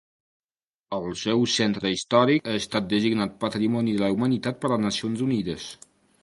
El seu centre històric ha estat designat Patrimoni de la Humanitat per les Nacions Unides.